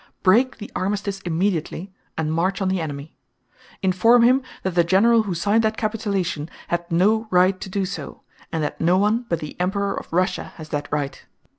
Break the armistice immediately and march on the enemy. Inform him that the general who signed that capitulation had no right to do so, and that no one but the Emperor of Russia has that right.